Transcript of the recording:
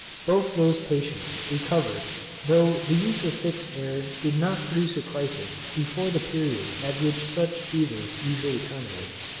Both those patients recovered though the use of fixed air did not produce a crisis before the period at which such fevers usually terminate.